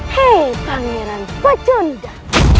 hei panggilan pecunda